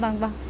à vâng vâng